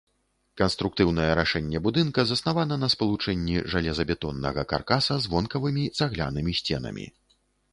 Канструктыўнае рашэнне будынка заснавана на спалучэнні жалезабетоннага каркаса з вонкавымі цаглянымі сценамі.